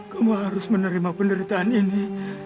kamu harus menerima penderitaan ini